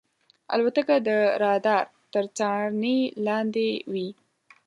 الوتکه د رادار تر څارنې لاندې وي.